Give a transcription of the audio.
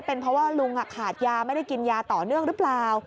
เป็นเพราะว่าลุงขาดยาไม่ได้กินยาต่อเนื่องหรือเปล่า